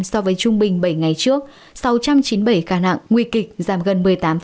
so với trung bình bảy ngày trước sáu trăm chín mươi bảy ca nặng nguy kịch giảm gần một mươi tám